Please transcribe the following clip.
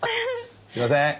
すいません。